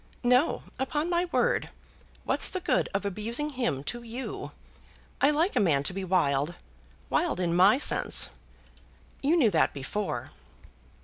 "No; upon my word. What's the good of abusing him to you? I like a man to be wild, wild in my sense. You knew that before."